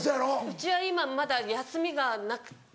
うちは今まだ休みがなくて。